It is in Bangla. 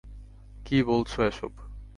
কী বলছ এসব?